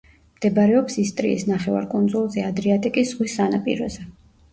მდებარეობს ისტრიის ნახევარკუნძულზე, ადრიატიკის ზღვის სანაპიროზე.